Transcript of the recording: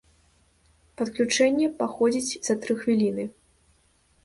Падключэнне паходзіць за тры хвіліны.